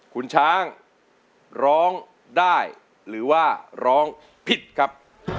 คุณช้างร้องได้หรือว่าร้องผิดครับ